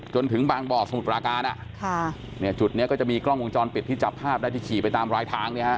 จนถึงบางบ่อสมุทรปราการเนี่ยจุดนี้ก็จะมีกล้องวงจรปิดที่จับภาพได้ที่ขี่ไปตามรายทางเนี่ยฮะ